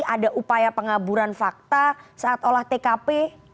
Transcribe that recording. ada upaya pengaburan fakta saat olah tkp